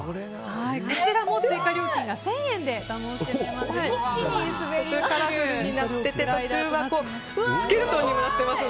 こちらも追加料金が１０００円で楽しめます。